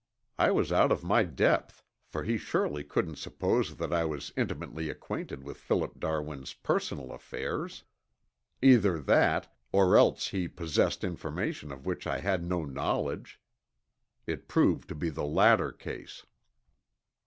I was out of my depth, for he surely couldn't suppose that I was intimately acquainted with Philip Darwin's personal affairs! Either that, or else he possessed information of which I had no knowledge. It proved to be the latter case.